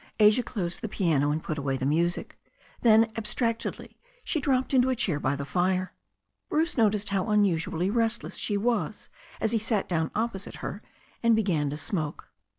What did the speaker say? Asia closed the piano and put away the music. Then, abstractedly, she dropped into a chair by the fire. Bruce noticed how unusually restless she was as he sat down opposite her and began to smoke.